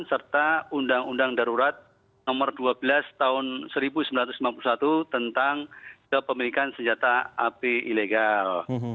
serta undang undang darurat nomor dua belas tahun seribu sembilan ratus sembilan puluh satu tentang kepemilikan senjata api ilegal